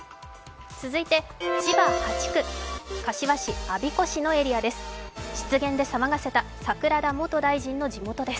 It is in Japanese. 続いて千葉８区、柏市、我孫子市のエリアです。